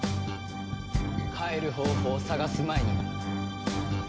帰る方法を探す前に。